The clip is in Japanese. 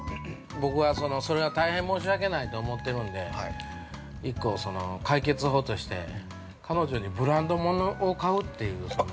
◆僕は、それが大変申し訳ないと思ってるんで、１個解決法として、彼女にブランド物を買うという。